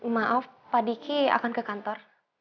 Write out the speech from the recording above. maaf pak diki akan ke kantor